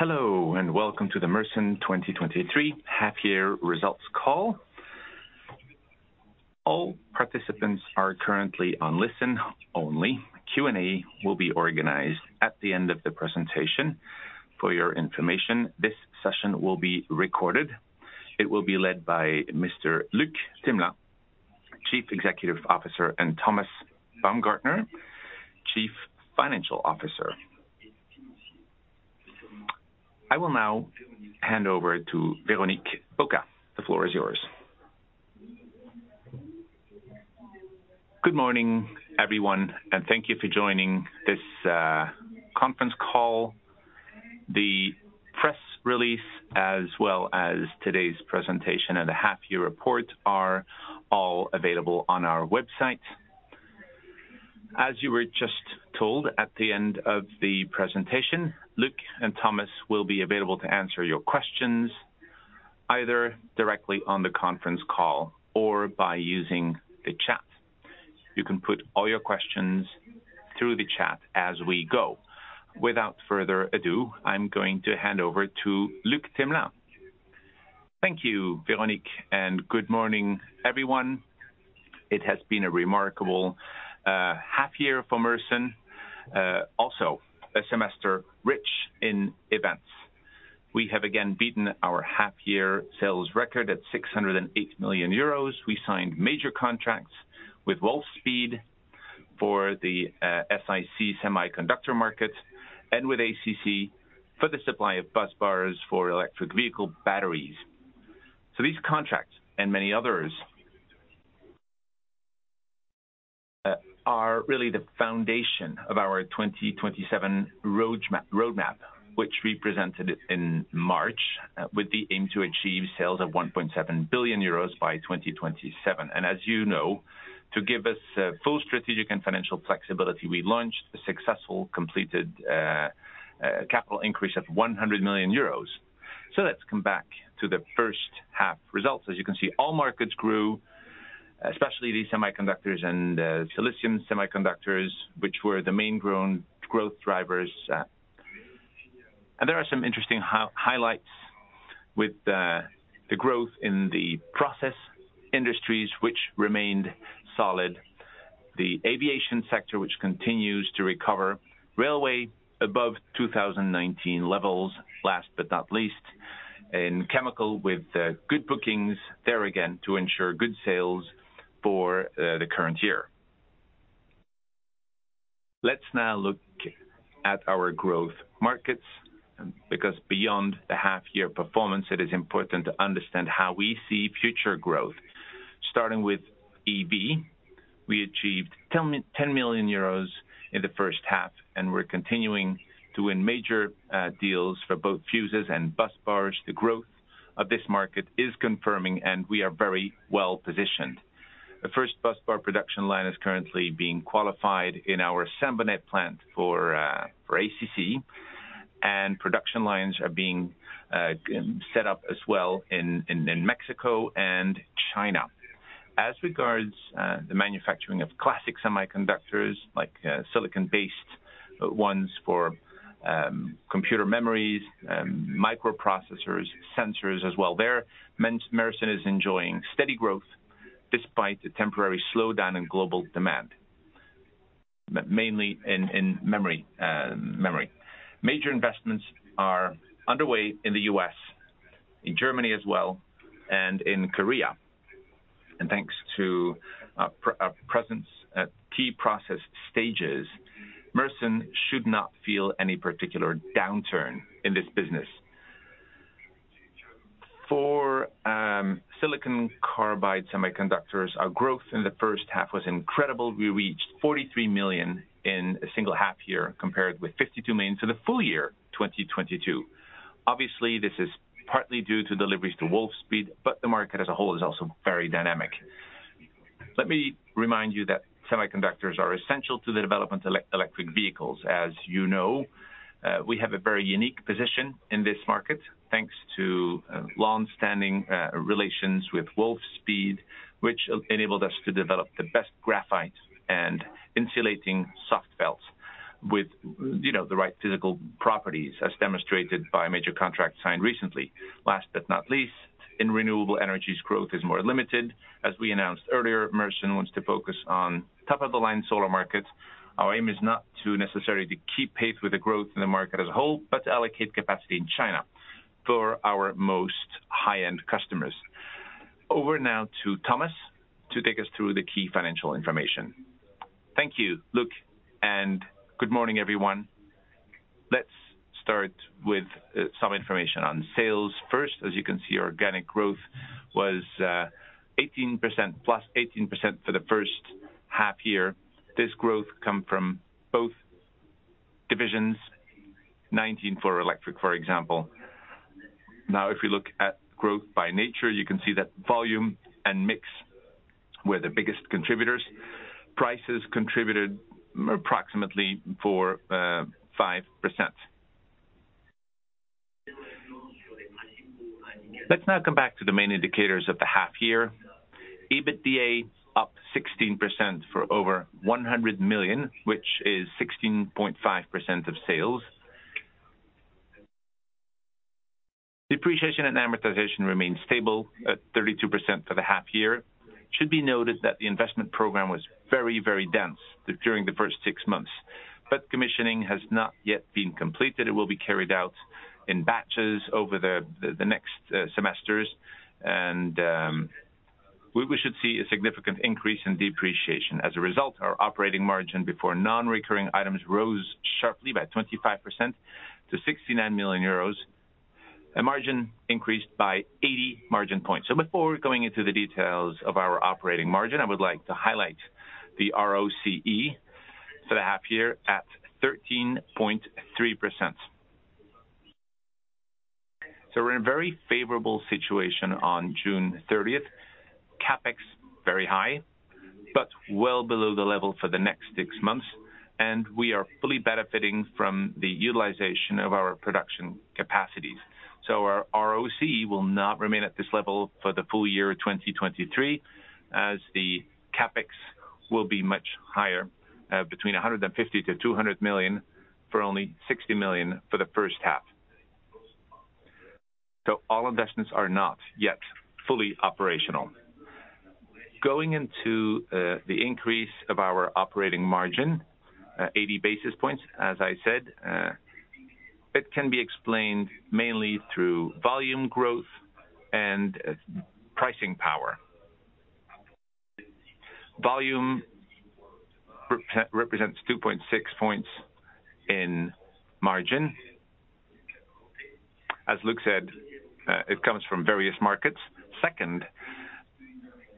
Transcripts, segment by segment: Hello, welcome to the Mersen 2023 half-year results call. All participants are currently on listen only. Q&A will be organized at the end of the presentation. For your information, this session will be recorded. It will be led by Mr. Luc Themelin, Chief Executive Officer, and Thomas Baumgartner, Chief Financial Officer. I will now hand over to Véronique Boca. The floor is yours. Good morning, everyone, thank you for joining this conference call. The press release, as well as today's presentation and the half-year report, are all available on our website. As you were just told, at the end of the presentation, Luc and Thomas will be available to answer your questions, either directly on the conference call or by using the chat. You can put all your questions through the chat as we go. Without further ado, I'm going to hand over to Luc Themelin. Thank you, Véronique, and good morning, everyone. It has been a remarkable half year for Mersen. Also a semester rich in events. We have again beaten our half year sales record at 608 million euros. We signed major contracts with Wolfspeed for the SiC semiconductor market, and with ACC for the supply of busbars for electric vehicle batteries. These contracts, and many others, are really the foundation of our 2027 roadmap, which we presented in March, with the aim to achieve sales of 1.7 billion euros by 2027. As you know, to give us full strategic and financial flexibility, we launched a successful, completed capital increase of 100 million euros. Let's come back to the first half results. As you can see, all markets grew, especially the semiconductors and silicon semiconductors, which were the main growth drivers. There are some interesting highlights with the growth in the process industries, which remained solid. The aviation sector, which continues to recover. railway, above 2019 levels. Last but not least, in chemical, with good bookings there again to ensure good sales for the current year. Let's now look at our growth markets, because beyond the half-year performance, it is important to understand how we see future growth. Starting with EV, we achieved 10 million euros in the first half, and we're continuing to win major deals for both fuses and busbars. The growth of this market is confirming, and we are very well positioned. The first busbar production line is currently being qualified in our Saint-Bonnet plant for ACC, and production lines are being set up as well in Mexico and China. As regards the manufacturing of classic semiconductors, like silicon-based ones for computer memories, microprocessors, sensors as well, there, Mersen is enjoying steady growth despite the temporary slowdown in global demand, mainly in memory. Major investments are underway in the US, in Germany as well, and in Korea. Thanks to our presence at key process stages, Mersen should not feel any particular downturn in this business. For silicon carbide semiconductors, our growth in the first half was incredible. We reached 43 million in a single half year, compared with 52 million for the full year 2022. Obviously, this is partly due to deliveries to Wolfspeed, but the market as a whole is also very dynamic. Let me remind you that semiconductors are essential to the development of electric vehicles. As you know, we have a very unique position in this market, thanks to long-standing relations with Wolfspeed, which enabled us to develop the best graphite and insulating soft felts with, you know, the right physical properties, as demonstrated by a major contract signed recently. Last but not least, in renewable energies, growth is more limited. As we announced earlier, Mersen wants to focus on top-of-the-line solar markets. Our aim is not to necessarily to keep pace with the growth in the market as a whole, but to allocate capacity in China for our most high-end customers. Over now to Thomas to take us through the key financial information. Thank you, Luc, and good morning, everyone. Let's start with some information on sales first. As you can see, our organic growth was 18%, +18% for the first half year. This growth come from both divisions, 19 for electric, for example. Now, if you look at growth by nature, you can see that volume and mix were the biggest contributors. Prices contributed approximately for 5%. Let's now come back to the main indicators of the half year. EBITDA up 16% for over 100 million, which is 16.5% of sales. Depreciation and amortization remains stable at 32% for the half year. It should be noted that the investment program was very, very dense during the first six months. Commissioning has not yet been completed. It will be carried out in batches over the, the, the next semesters, and we should see a significant increase in depreciation. As a result, our operating margin before non-recurring items rose sharply by 25% to 69 million euros, and margin increased by 80 margin points. Before going into the details of our operating margin, I would like to highlight the ROCE for the half year at 13.3%. We're in a very favorable situation on June 30th. CapEx, very high, but well below the level for the next six months, and we are fully benefiting from the utilization of our production capacities. Our ROCE will not remain at this level for the full year 2023, as the CapEx will be much higher, between 150 million-200 million, for only 60 million for the first half. All investments are not yet fully operational. Going into the increase of our operating margin, 80 basis points, as I said, it can be explained mainly through volume growth and pricing power. Volume represents 2.6 points in margin. As Luc said, it comes from various markets. Second,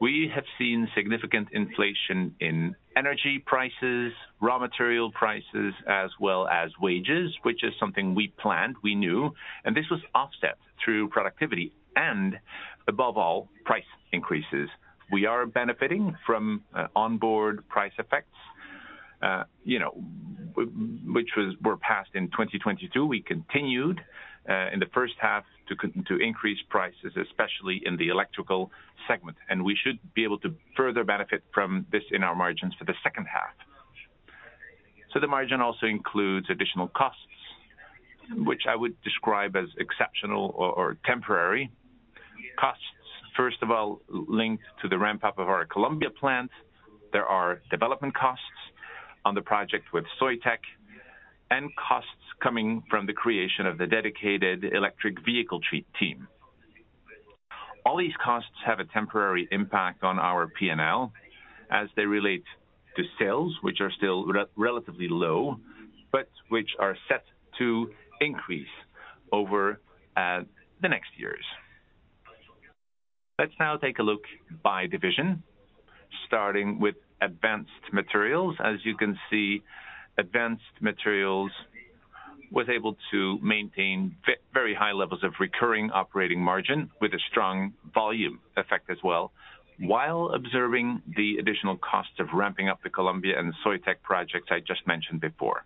we have seen significant inflation in energy prices, raw material prices, as well as wages, which is something we planned, we knew, and this was offset through productivity and above all, price increases. We are benefiting from onboard price effects, you know, which were passed in 2022. We continued in the first half to c- to increase prices, especially in the electrical segment, and we should be able to further benefit from this in our margins for the second half. The margin also includes additional costs, which I would describe as exceptional or, or temporary costs. First of all, linked to the ramp-up of our Columbia plant. There are development costs on the project with Soitec, and costs coming from the creation of the dedicated electric vehicle treat team. All these costs have a temporary impact on our P&L as they relate to sales, which are still relatively low, but which are set to increase over the next years. Let's now take a look by division, starting with Advanced Materials. As you can see, Advanced Materials was able to maintain very high levels of recurring operating margin with a strong volume effect as well, while observing the additional costs of ramping up the Columbia and Soitec projects I just mentioned before.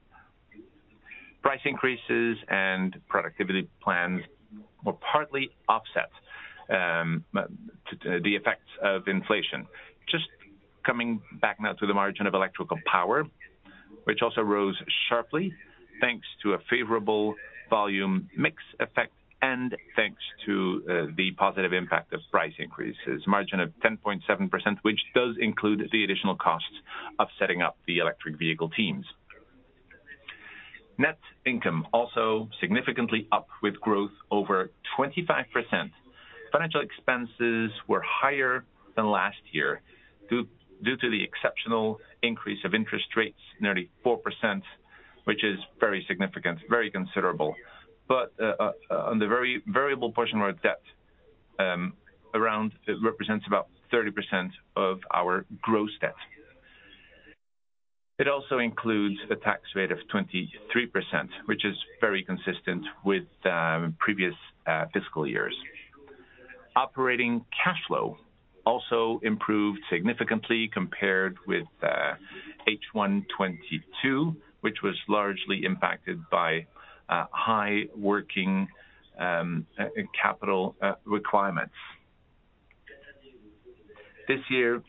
Price increases and productivity plans were partly offset, the effects of inflation. Just coming back now to the margin of Electrical Power, which also rose sharply thanks to a favorable volume mix effect and thanks to the positive impact of price increases. Margin of 10.7%, which does include the additional costs of setting up the electric vehicle teams. Net income also significantly up with growth over 25%. Financial expenses were higher than last year due to the exceptional increase of interest rates, nearly 4%, which is very significant, very considerable. On the very variable portion of our debt, it represents about 30% of our gross debt. It also includes a tax rate of 23%, which is very consistent with previous fiscal years. Operating cash flow also improved significantly compared with H1 2022, which was largely impacted by high working capital requirements. This year,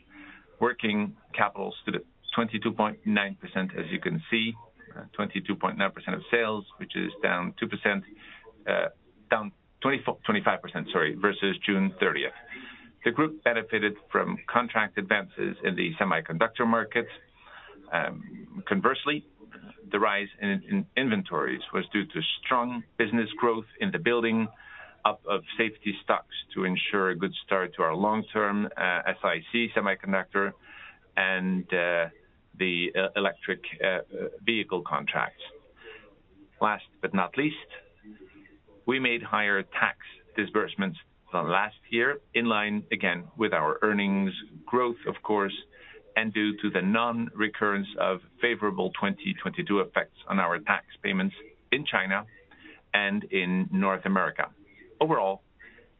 working capital stood at 22.9%, as you can see, 22.9% of sales, which is down 2%, down 25%, sorry, versus June 30th. The group benefited from contract advances in the semiconductor market. Conversely, the rise in inventories was due to strong business growth in the building up of safety stocks to ensure a good start to our long-term SIC semiconductor and the electric vehicle contracts. Last but not least, we made higher tax disbursements than last year, in line again with our earnings growth, of course, and due to the non-recurrence of favorable 2022 effects on our tax payments in China and in North America. Overall,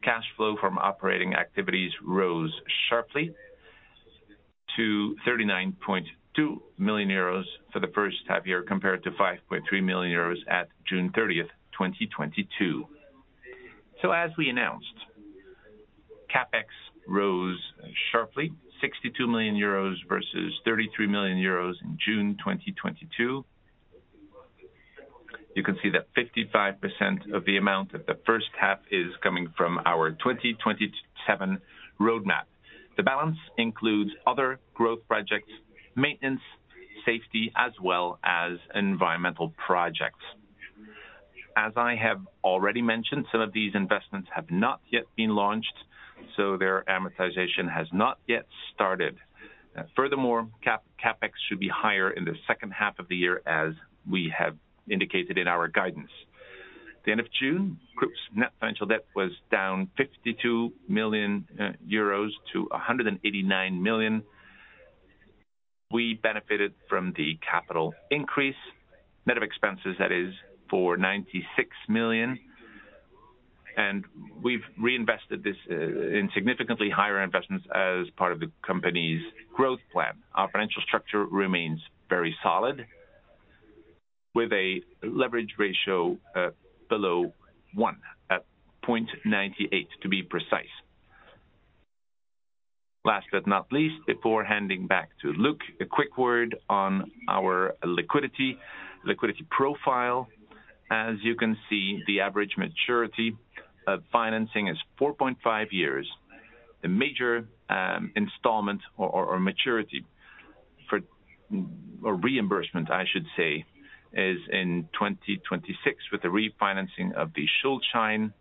cash flow from operating activities rose sharply to 39.2 million euros for the first half year, compared to 5.3 million euros at June 30th, 2022. As we announced, CapEx rose sharply, 62 million euros versus 33 million euros in June 2022. You can see that 55% of the amount of the first half is coming from our 2027 roadmap. The balance includes other growth projects, maintenance, safety, as well as environmental projects. As I have already mentioned, some of these investments have not yet been launched, so their amortization has not yet started. Furthermore, CapEx should be higher in the second half of the year, as we have indicated in our guidance. The end of June, group's net financial debt was down 52 million euros to 189 million. We benefited from the capital increase, net of expenses that is, for 96 million, and we've reinvested this in significantly higher investments as part of the company's growth plan. Our financial structure remains very solid, with a leverage ratio below one, at 0.98, to be precise. Last but not least, before handing back to Luc, a quick word on our liquidity, liquidity profile. As you can see, the average maturity of financing is 4.5 years. The major installment or, or, or maturity for, or reimbursement, I should say, is in 2026, with the refinancing of the Schuldschein.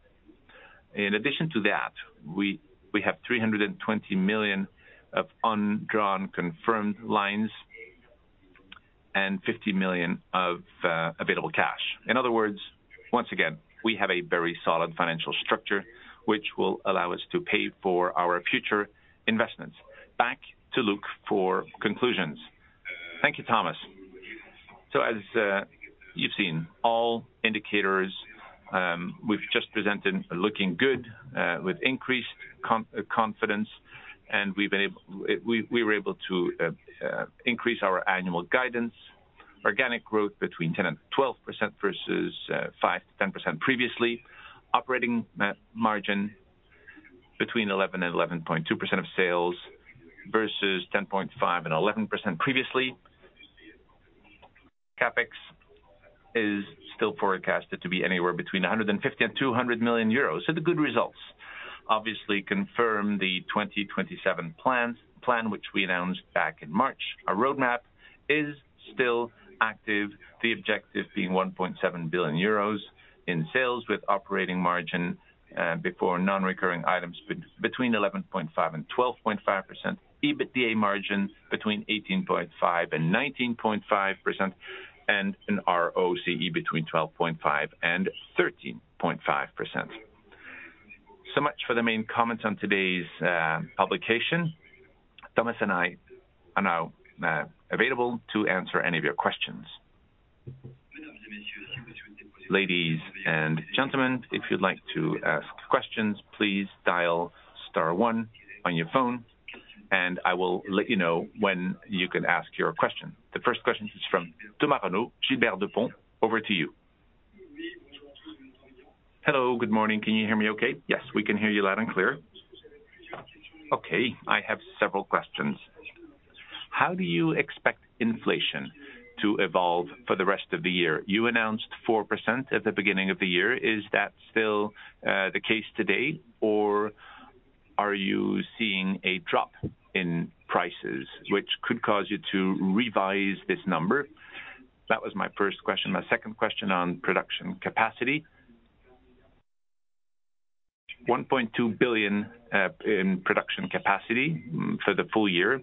In addition to that, we have 320 million of undrawn confirmed lines and 50 million of available cash. In other words, once again, we have a very solid financial structure, which will allow us to pay for our future investments. Back to Luc for conclusions. Thank you, Thomas. As you've seen, all indicators we've just presented are looking good, with increased confidence, and we were able to increase our annual guidance. Organic growth between 10% and 12% versus 5%-10% previously. Operating net margin between 11% and 11.2% of sales, versus 10.5%-11% previously. CapEx is still forecasted to be anywhere between 150 million and 200 million euros, the good results obviously confirm the 2027 plan, which we announced back in March. Our roadmap is still active, the objective being 1.7 billion euros in sales, with operating margin before non-recurring items between 11.5% and 12.5%. EBITDA margins between 18.5% and 19.5%, and an ROCE between 12.5% and 13.5%. Much for the main comments on today's publication. Thomas and I are now available to answer any of your questions. Ladies and gentlemen, if you'd like to ask questions, please dial star one on your phone, I will let you know when you can ask your question. The first question is from Thomas Renaud, Gilbert Dupont. Over to you. Hello, good morning. Can you hear me okay? Yes, we can hear you loud and clear. Okay, I have several questions. How do you expect inflation to evolve for the rest of the year? You announced 4% at the beginning of the year. Is that still the case today, or are you seeing a drop in prices which could cause you to revise this number? That was my first question. My second question on production capacity. 1.2 billion in production capacity for the full year,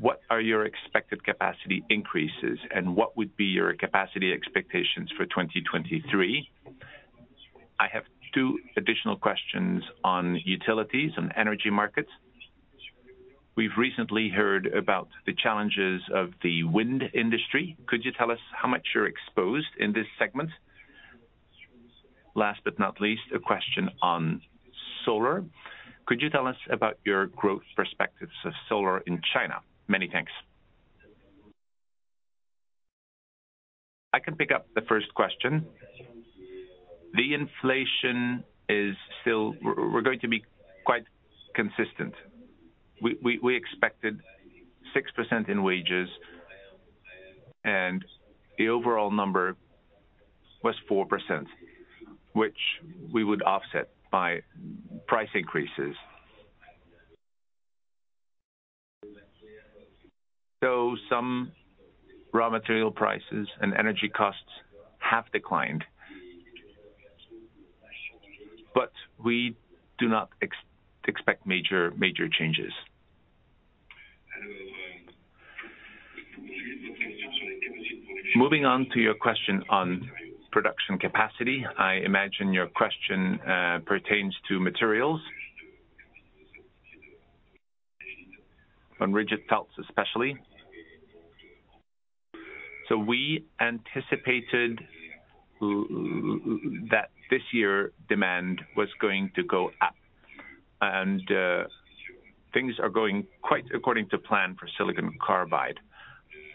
what are your expected capacity increases, and what would be your capacity expectations for 2023? I have two additional questions on utilities and energy markets. We've recently heard about the challenges of the wind industry. Could you tell us how much you're exposed in this segment? Last but not least, a question on solar. Could you tell us about your growth perspectives of solar in China? Many thanks. I can pick up the first question. The inflation is still... we're going to be quite consistent. We expected 6% in wages, and the overall number was 4%, which we would offset by price increases. Some raw material prices and energy costs have declined, but we do not expect major changes. Moving on to your question on production capacity, I imagine your question pertains to materials. On rigid felts, especially? We anticipated that this year, demand was going to go up, and things are going quite according to plan for silicon carbide.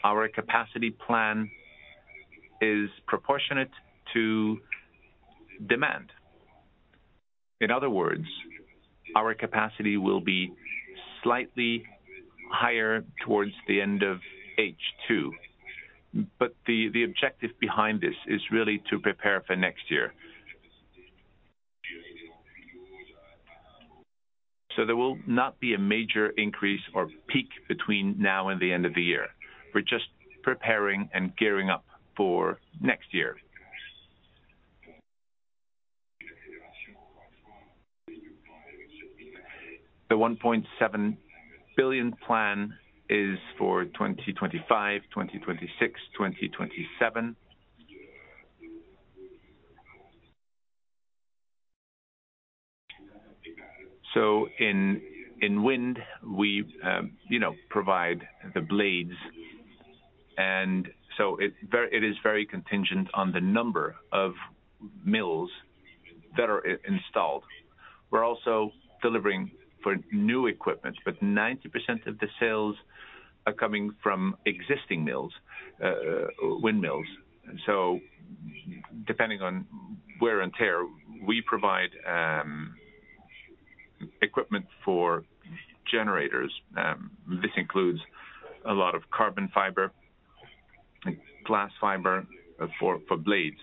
Our capacity plan is proportionate to demand. In other words, our capacity will be slightly higher towards the end of H2. The objective behind this is really to prepare for next year. There will not be a major increase or peak between now and the end of the year. We're just preparing and gearing up for next year. The 1.7 billion plan is for 2025, 2026, 2027. In wind, we, you know, provide the blades, and it is very contingent on the number of mills that are installed. We're also delivering for new equipment, but 90% of the sales are coming from existing mills, windmills. Depending on wear and tear, we provide equipment for generators. This includes a lot of carbon fiber and glass fiber for blades.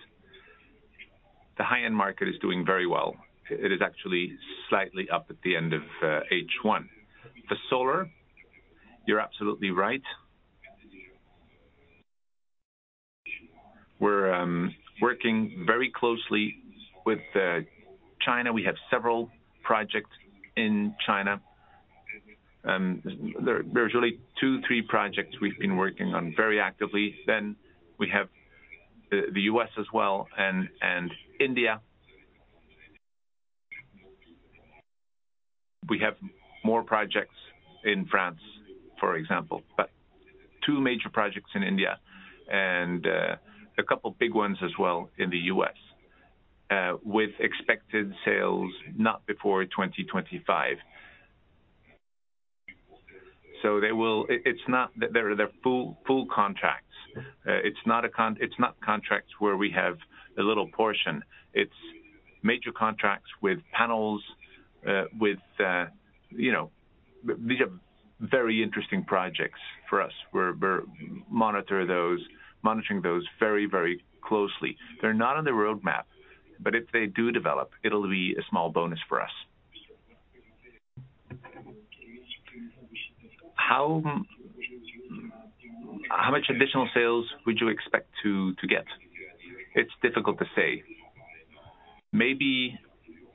The high-end market is doing very well. It is actually slightly up at the end of H1. For solar, you're absolutely right. We're working very closely with China. We have several projects in China. There, there's really two, three projects we've been working on very actively. We have the U.S. as well and India. We have more projects in France, for example, two major projects in India and a couple big ones as well in the U.S. with expected sales, not before 2025. They will they're, they're full, full contracts. It's not contracts where we have a little portion. It's major contracts with panels, with, you know, these are very interesting projects for us. We're, we're monitoring those very, very closely. They're not on the roadmap, if they do develop, it'll be a small bonus for us. How, how much additional sales would you expect to get? It's difficult to say. Maybe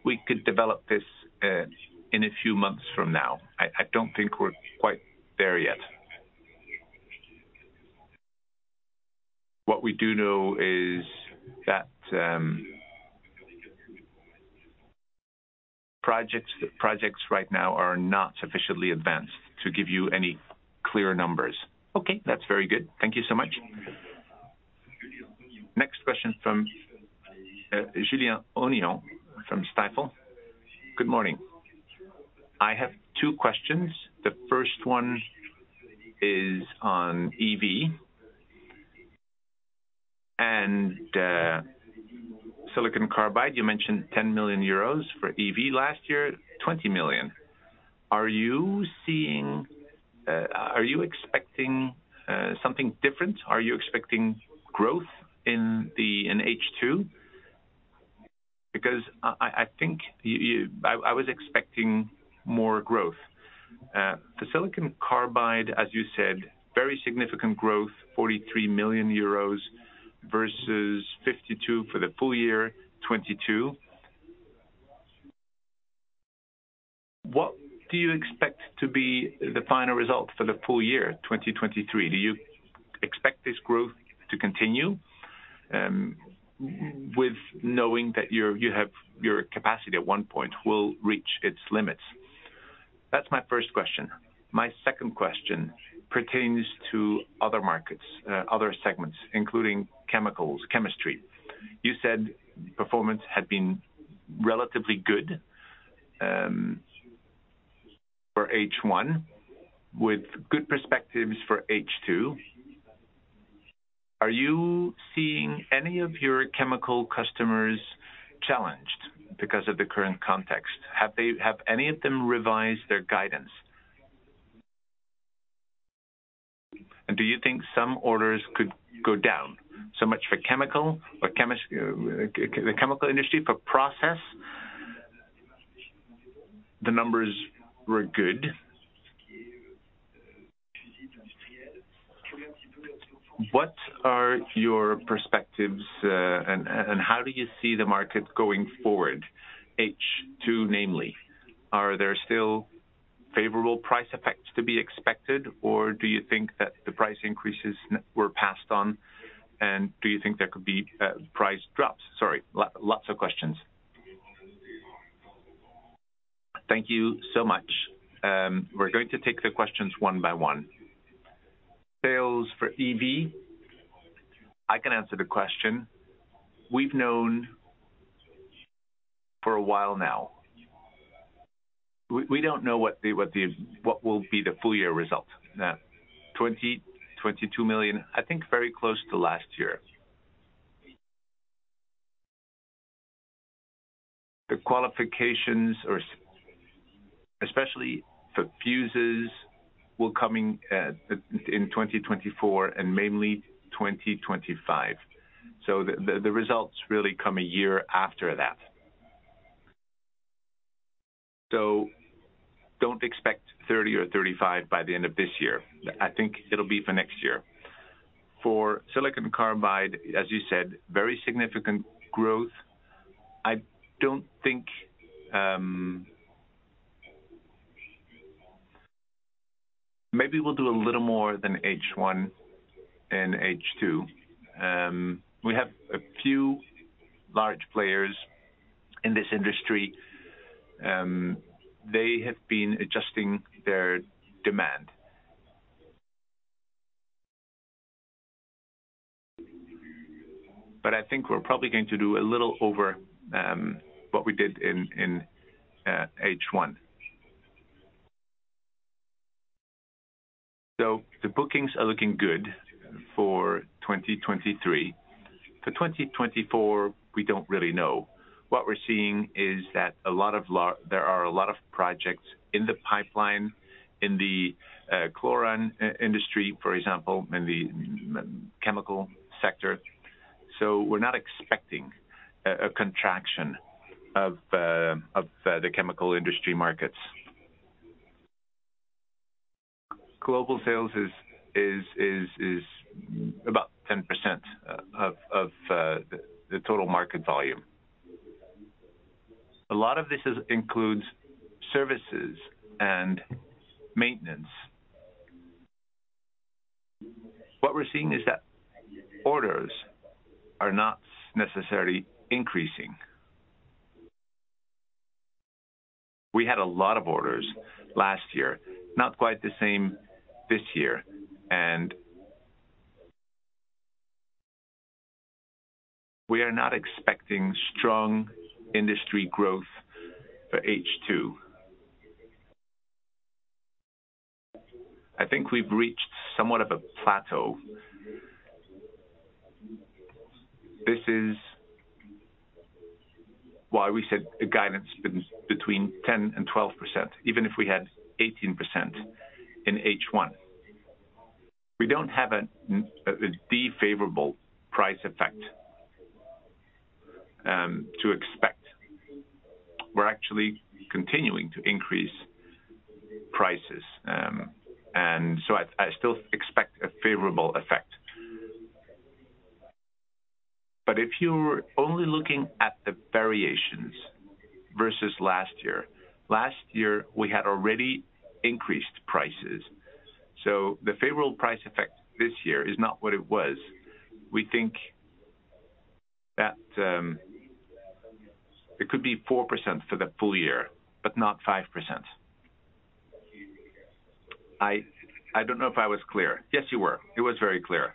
we could develop this in a few months from now. I, I don't think we're quite there yet. What we do know is that projects, projects right now are not sufficiently advanced to give you any clear numbers. Okay, that's very good. Thank you so much. Next question from Julien Onillon from Stifel. Good morning. I have 2 questions. The first one is on EV and silicon carbide. You mentioned 10 million euros for EV last year, 20 million. Are you seeing, are you expecting, something different? Are you expecting growth in the, in H2? I, I, I think you, you I, I was expecting more growth. For silicon carbide, as you said, very significant growth, 43 million euros versus 52 million for the full year 2022. What do you expect to be the final result for the full year, 2023? Do you expect this growth to continue, with knowing that your capacity at one point will reach its limits? That's my first question. My second question pertains to other markets, other segments, including chemicals, chemistry. You said performance had been relatively good for H1, with good perspectives for H2. Are you seeing any of your chemical customers challenged because of the current context? Have they, have any of them revised their guidance? Do you think some orders could go down? Much for chemical or the chemical industry for process, the numbers were good. What are your perspectives, and how do you see the market going forward, H2, namely? Are there still favorable price effects to be expected, or do you think that the price increases were passed on, and do you think there could be price drops? Sorry, lots of questions. Thank you so much. We're going to take the questions one by one. Sales for EV, I can answer the question. We've known for a while now. We, we don't know what will be the full year result. 22 million, I think very close to last year. The qualifications or especially for fuses, will coming in 2024, and mainly 2025. The results really come a year after that. Don't expect 30 million or 35 million by the end of this year. I think it'll be for next year. For silicon carbide, as you said, very significant growth. I don't think, maybe we'll do a little more than H1 and H2. We have a few large players in this industry. They have been adjusting their demand. I think we're probably going to do a little over what we did in H1. The bookings are looking good for 2023. For 2024, we don't really know. What we're seeing is that there are a lot of projects in the pipeline, in the chlorine industry, for example, in the chemical sector. We're not expecting a contraction of the chemical industry markets. Global sales is, is, is, is about 10% of the total market volume. A lot of this is includes services and maintenance. What we're seeing is that orders are not necessarily increasing. We had a lot of orders last year, not quite the same this year, and we are not expecting strong industry growth for H2. I think we've reached somewhat of a plateau. This is why we said the guidance between 10% and 12%, even if we had 18% in H1. We don't have a, a unfavorable price effect to expect. We're actually continuing to increase prices. So I, I still expect a favorable effect. If you're only looking at the variations versus last year, last year, we had already increased prices, so the favorable price effect this year is not what it was. We think that it could be 4% for the full year, but not 5%. I, I don't know if I was clear. Yes, you were. It was very clear.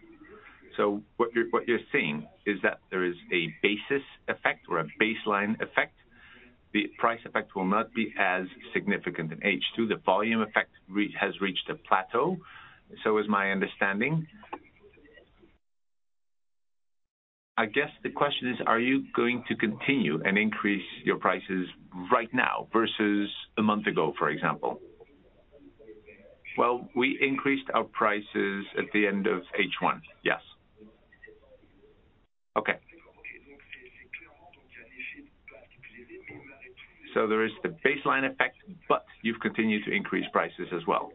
What you're saying is that there is a basis effect or a baseline effect. The price effect will not be as significant in H2. The volume effect has reached a plateau, so is my understanding. I guess the question is: Are you going to continue and increase your prices right now versus a month ago, for example? We increased our prices at the end of H1. Yes. Okay. There is the baseline effect, but you've continued to increase prices as well?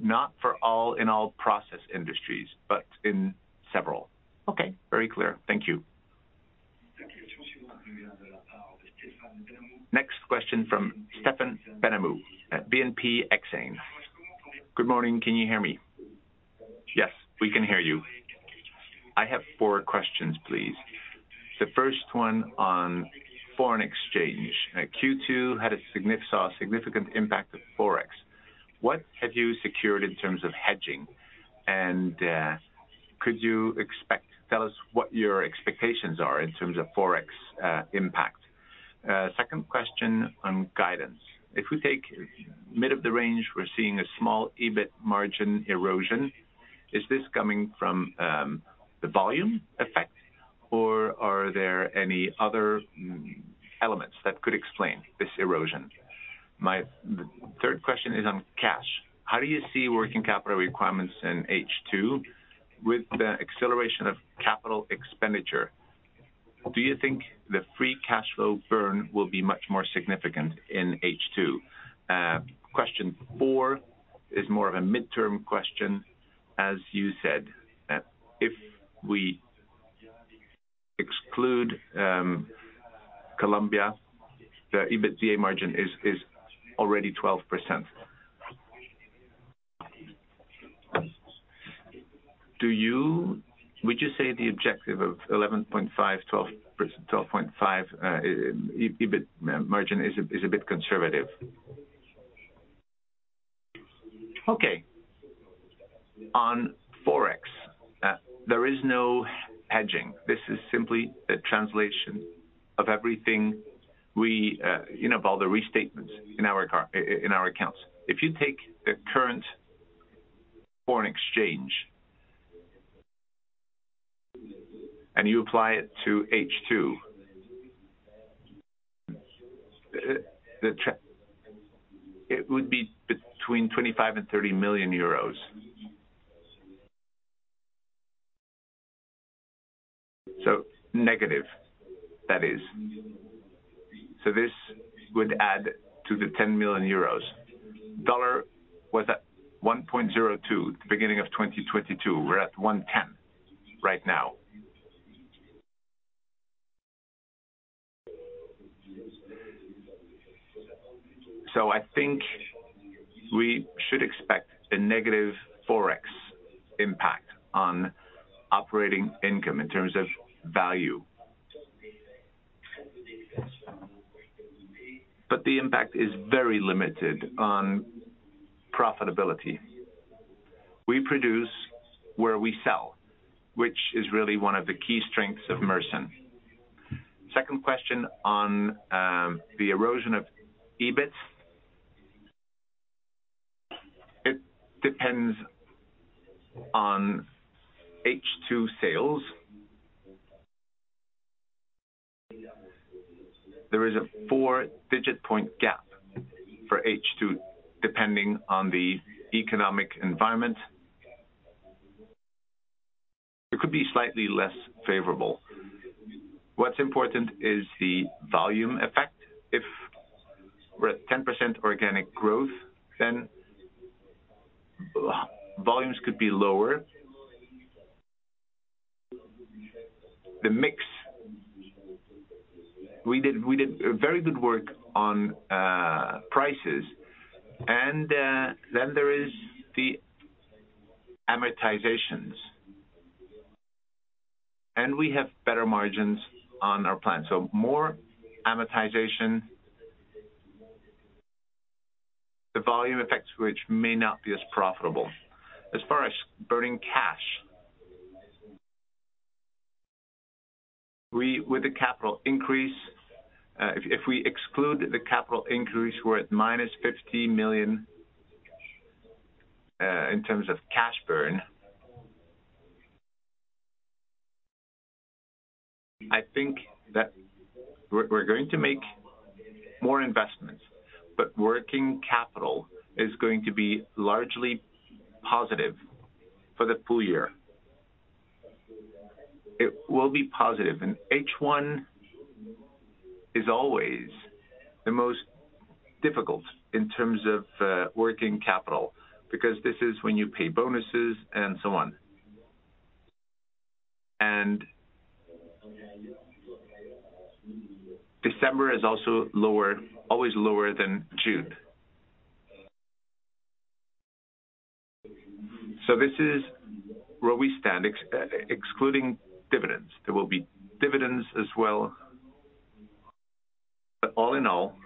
Not for all, in all process industries, but in several. Okay. Very clear. Thank you. Thank you. Next question from Stéphane Benhamou at Exane BNP Paribas. Good morning. Can you hear me? Yes, we can hear you. I have 4 questions, please. The first one on foreign exchange. Q2 had a significant impact of Forex. What have you secured in terms of hedging? Could you tell us what your expectations are in terms of Forex impact? 2nd question on guidance: If we take mid of the range, we're seeing a small EBIT margin erosion. Is this coming from the volume effect, or are there any other elements that could explain this erosion? My 3rd question is on cash: How do you see working capital requirements in H2 with the acceleration of capital expenditure? Do you think the free cash flow burn will be much more significant in H2? Question 4 is more of a midterm question. As you said, if we exclude Colombia, the EBITDA margin is, is already 12%. Would you say the objective of 11.5%, 12%, 12.5% EBIT margin is a, is a bit conservative? Okay. On Forex, there is no hedging. This is simply a translation of everything we, you know, of all the restatements in our car, in our accounts. If you take the current foreign exchange, you apply it to H2, it would be between 25 million and 30 million euros. Negative, that is. This would add to the 10 million euros. The dollar was at 1.02, the beginning of 2022. We're at 1.10 right now. I think we should expect a negative Forex impact on operating income in terms of value. The impact is very limited on profitability. We produce where we sell, which is really one of the key strengths of Mersen. Second question on the erosion of EBIT. It depends on H2 sales. There is a 4-digit point gap for H2, depending on the economic environment. It could be slightly less favorable. What's important is the volume effect. If we're at 10% organic growth, then v-volumes could be lower. The mix, we did, we did a very good work on prices, and then there is the amortizations. We have better margins on our plan. More amortization. The volume effects, which may not be as profitable. As far as burning cash, we, with the capital increase, if, if we exclude the capital increase, we're at minus 50 million in terms of cash burn. I think that we're, we're going to make more investments, but working capital is going to be largely positive for the full year. It will be positive. H1 is always the most difficult in terms of working capital, because this is when you pay bonuses and so on. December is also lower, always lower than June. This is where we stand, ex- excluding dividends. There will be dividends as well. All in all,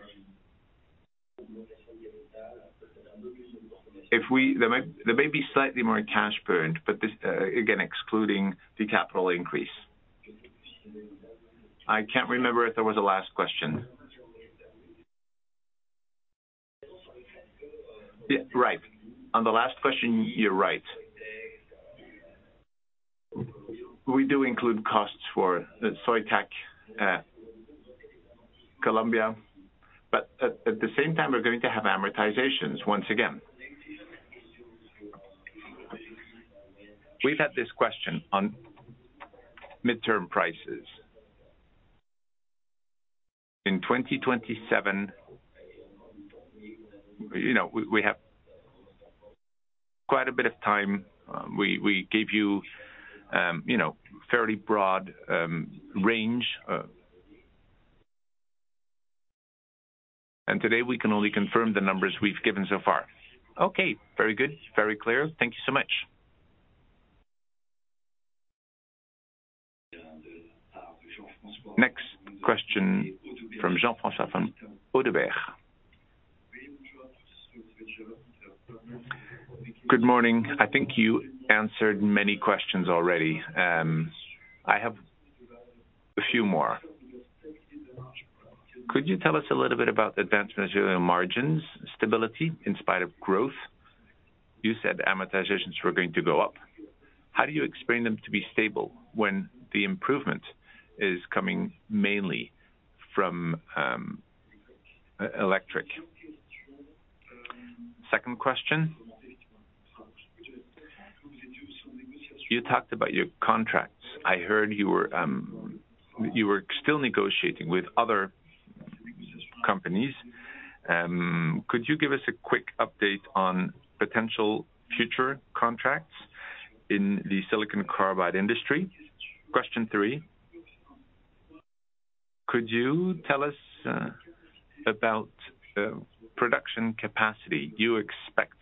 there might, there may be slightly more cash burned, but this, again, excluding the capital increase. I can't remember if there was a last question. Yeah, right. On the last question, you're right. We do include costs for the Soitec, Colombia, but at, at the same time, we're going to have amortizations once again. We've had this question on midterm prices. In 2027, you know, we, we have quite a bit of time. We, we gave you, you know, fairly broad range. Today, we can only confirm the numbers we've given so far. Okay, very good. Very clear. Thank you so much. Next question from Jean-Francois from ODDO BHF. Good morning. I think you answered many questions already. I have a few more. Could you tell us a little bit about Advanced Materials margins stability in spite of growth? You said amortizations were going to go up. How do you explain them to be stable when the improvement is coming mainly from Electric]Second question: You talked about your contracts. I heard you were, you were still negotiating with other companies. Could you give us a quick update on potential future contracts in the silicon carbide industry? Question three. Could you tell us about production capacity you expect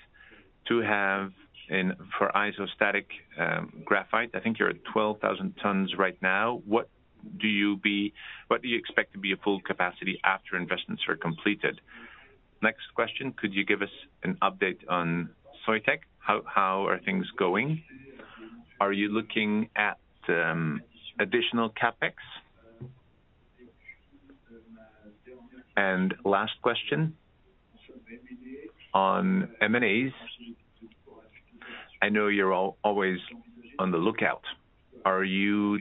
to have in, for isostatic graphite? I think you're at 12,000 tons right now. What do you expect to be a full capacity after investments are completed? Next question, could you give us an update on Soitec? How, how are things going? Are you looking at additional CapEx? Last question, on M&As, I know you're always on the lookout. Do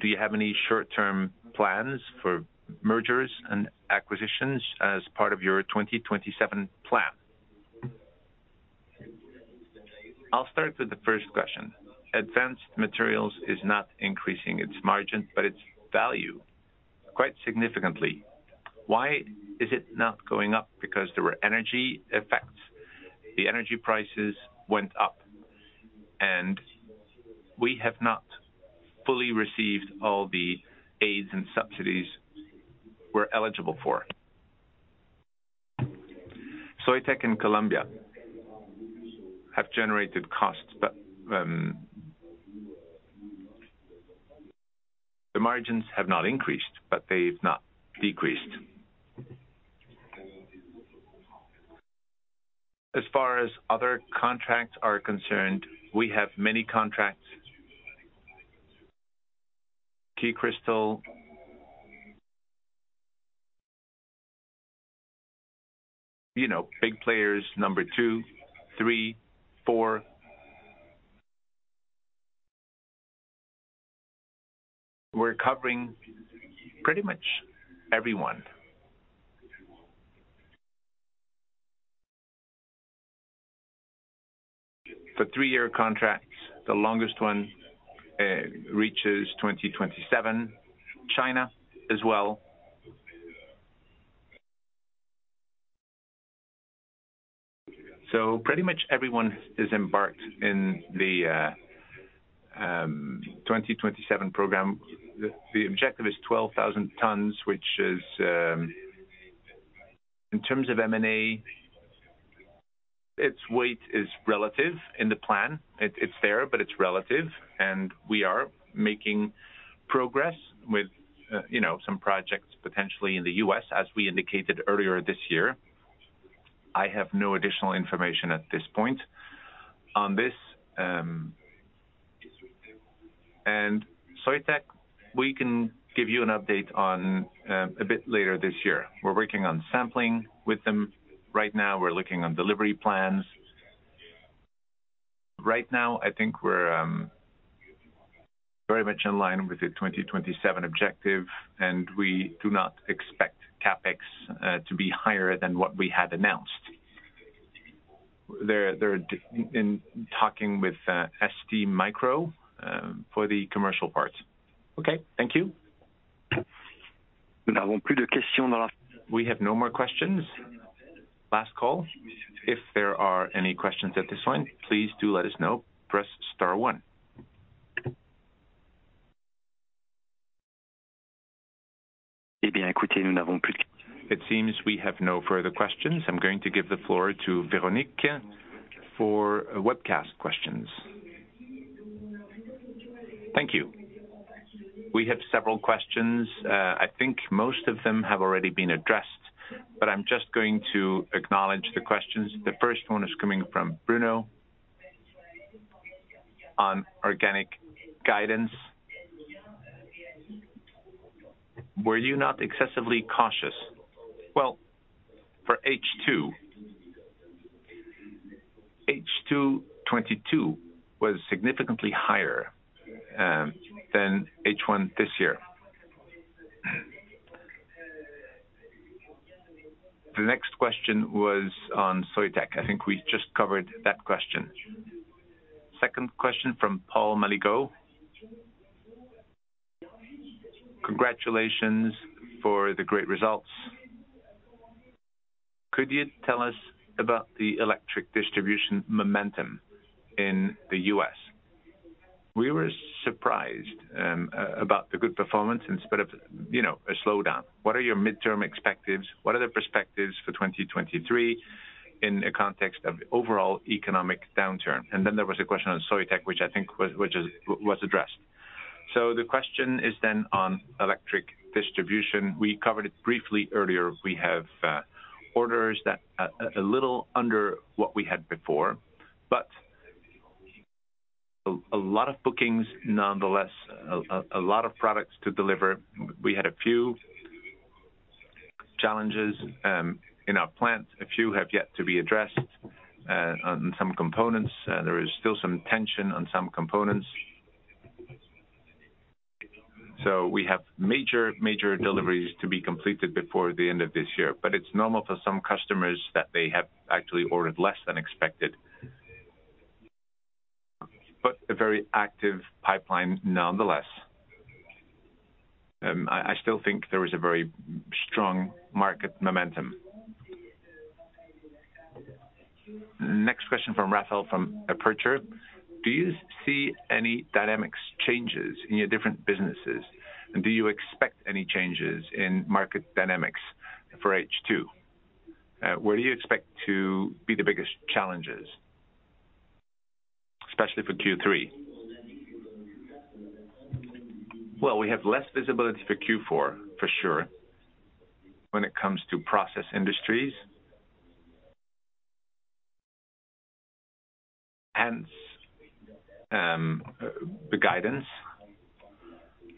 you have any short-term plans for mergers and acquisitions as part of your 2027 plan? I'll start with the first question. Advanced Materials is not increasing its margin, but its value, quite significantly. Why is it not going up? Because there were energy effects. The energy prices went up, and we have not fully received all the aids and subsidies we're eligible for. Soitec in Columbia have generated costs, but the margins have not increased, but they've not decreased. As far as other contracts are concerned, we have many contracts. SiCrystal, you know, big players, number two, three, four. We're covering pretty much everyone. For three-year contracts, the longest one reaches 2027, China as well. Pretty much everyone is embarked in the 2027 program. The objective is 12,000 tons, which is. In terms of M&A, its weight is relative in the plan. It, it's there, but it's relative, and we are making progress with, you know, some projects potentially in the US, as we indicated earlier this year. I have no additional information at this point on this. Soitec, we can give you an update on a bit later this year. We're working on sampling with them. Right now, we're looking on delivery plans. Right now, I think we're very much in line with the 2027 objective, and we do not expect CapEx to be higher than what we had announced. They're in, in talking with STMicro for the commercial parts. Okay, thank you. We have no more questions. We have no more questions. Last call. If there are any questions at this point, please do let us know. Press star 1. It seems we have no further questions. I'm going to give the floor to Véronique for webcast questions. Thank you. We have several questions. I think most of them have already been addressed, but I'm just going to acknowledge the questions. The first one is coming from Bruno on organic guidance. Were you not excessively cautious? Well, for H2, H2 2022 was significantly higher than H1 this year. The next question was on Soitec. I think we just covered that question. Second question from Paul Maligo. Congratulations for the great results. Could you tell us about the electric distribution momentum in the U.S.? We were surprised about the good performance instead of, you know, a slowdown. What are your midterm expectives? What are the perspectives for 2023 in the context of the overall economic downturn? Then there was a question on Soitec, which I think was, which is, was addressed. The question is then on electric distribution. We covered it briefly earlier. We have orders that a little under what we had before, but a lot of bookings nonetheless, a lot of products to deliver. We had a few challenges in our plants. A few have yet to be addressed on some components. There is still some tension on some components. We have major, major deliveries to be completed before the end of this year, but it's normal for some customers that they have actually ordered less than expected. A very active pipeline nonetheless. I, I still think there is a very strong market momentum. Next question from Rafael, from Kepler Cheuvreux. Do you see any dynamics changes in your different businesses? Do you expect any changes in market dynamics for H2? Where do you expect to be the biggest challenges, especially for Q3? Well, we have less visibility for Q4, for sure, when it comes to process industries. Hence, the guidance.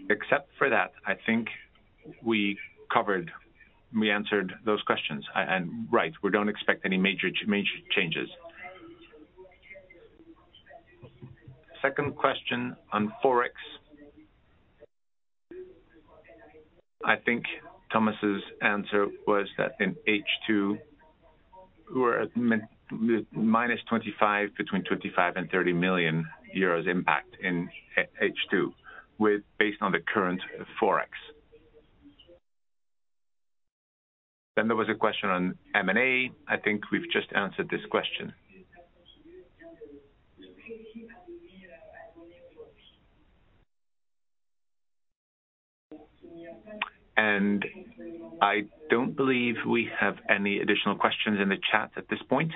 Except for that, I think we answered those questions. Right, we don't expect any major changes. Second question on Forex. I think Thomas's answer was that in H2, we're at minus 25, between 25 and 30 million euros impact in H2, based on the current Forex. There was a question on M&A. I think we've just answered this question. I don't believe we have any additional questions in the chat at this point.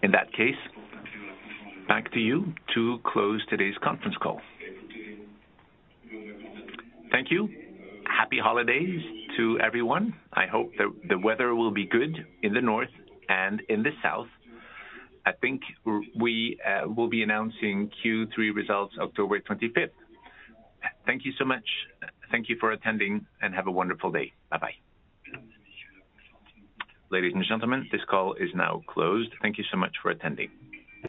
In that case, back to you to close today's conference call. Thank you. Happy holidays to everyone. I hope the weather will be good in the north and in the south. I think we will be announcing Q3 results October 25th. Thank you so much. Thank you for attending, and have a wonderful day. Bye-bye. Ladies and gentlemen, this call is now closed. Thank you so much for attending.